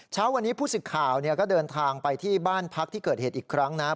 เช้าวันนี้ผู้สิทธิ์ข่าวก็เดินทางไปที่บ้านพักที่เกิดเหตุอีกครั้งนะครับ